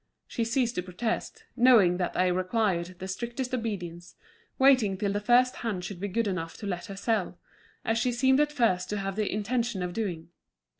She ceased to protest, knowing that they required the strictest obedience, waiting till the first hand should be good enough to let her sell, as she seemed at first to have the intention of doing.